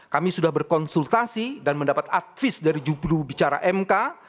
kami sudah berkonsultasi dan mendapat advis dari judul bicara mk